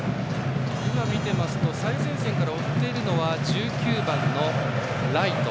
見ていますと最前線から追っているのは１９番のライト。